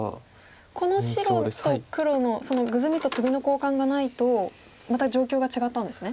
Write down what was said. この白と黒のグズミとトビの交換がないとまた状況が違ったんですね。